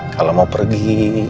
kalo mau pergi